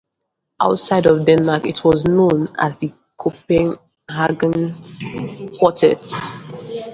Outside of Denmark it was known as the Copenhagen Quartet.